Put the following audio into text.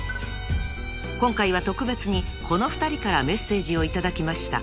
［今回は特別にこの２人からメッセージを頂きました］